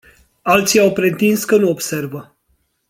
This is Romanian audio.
Alții au pretins că nu observă.